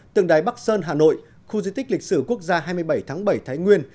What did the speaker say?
tượng đài bắc sơn hà nội khu di tích lịch sử quốc gia hai mươi bảy tháng bảy thái nguyên